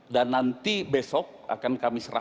dan nanti besok akan kami sebutkan